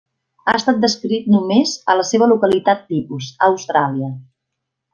Ha estat descrit només a la seva localitat tipus, a Austràlia.